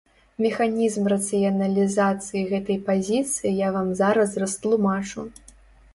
Механізм рацыяналізацыі гэтай пазіцыі я вам зараз растлумачу.